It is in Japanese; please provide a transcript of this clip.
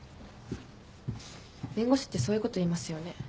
弁護士ってそういうこと言いますよね。